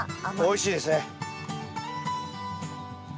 おいしいですね。